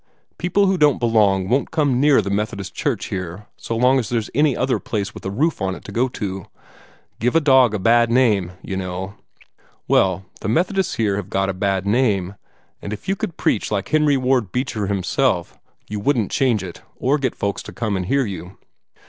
People who don't belong won't come near the Methodist church here so long as there's any other place with a roof on it to go to. Give a dog a bad name, you know. Well, the Methodists here have got a bad name; and if you could preach like Henry Ward Beecher himself you wouldn't change it, or get folks to come and hear you."